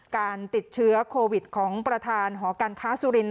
การติดเชื้อโควิดของประธานหอการค้าสุรินท